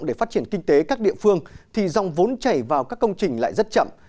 để phát triển kinh tế các địa phương thì dòng vốn chảy vào các công trình lại rất chậm